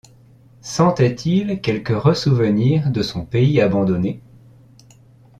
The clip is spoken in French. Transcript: Sentait-il quelque ressouvenir de son pays abandonné ?